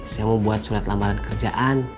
saya mau buat surat lamaran kerjaan